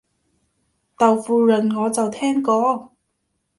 豆腐膶我就聽過